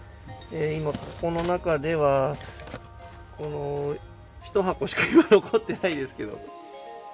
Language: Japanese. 今、ここの中では、この１箱しか今、残ってないですけど。